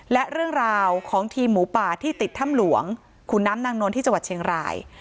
และเรื่องราวของทีมหมูป่าที่ติดถ้ำหลวงขุนน้ำนางนวลที่จังหวัดเชียงราย